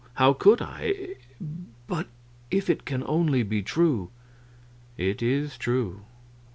How could I? But if it can only be true " "It is true."